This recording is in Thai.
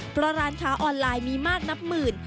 เพราะร้านค้าออนไลน์มีมากนับหมื่น